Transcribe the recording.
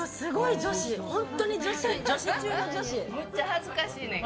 むっちゃ恥ずかしいねんけど。